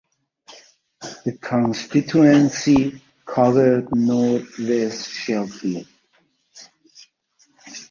The constituency covered north west Sheffield.